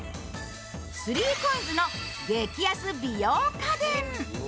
３ＣＯＩＮＳの激安美容家電。